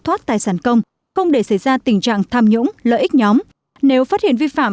thoát tài sản công không để xảy ra tình trạng tham nhũng lợi ích nhóm nếu phát hiện vi phạm